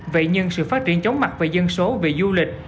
vậy nhưng sự phát triển chóng mặt về dân số về du lịch